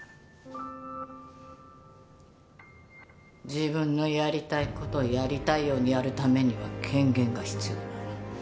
自分のやりたい事をやりたいようにやるためには権限が必要なの。